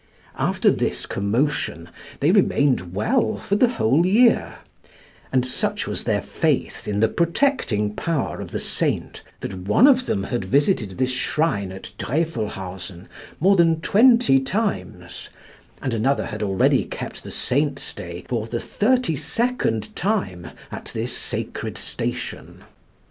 After this commotion they remained well for the whole year; and such was their faith in the protecting power of the saint, that one of them had visited this shrine at Drefelhausen more than twenty times, and another had already kept the saint's day for the thirty second time at this sacred station.